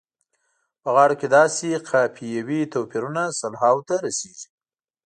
په غاړو کې داسې قافیوي توپیرونه سلهاوو ته رسیږي.